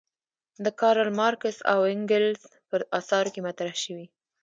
د کارل مارکس او انګلز په اثارو کې مطرح شوې.